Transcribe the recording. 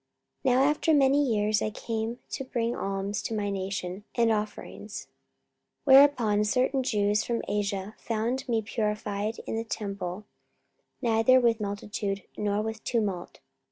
44:024:017 Now after many years I came to bring alms to my nation, and offerings. 44:024:018 Whereupon certain Jews from Asia found me purified in the temple, neither with multitude, nor with tumult.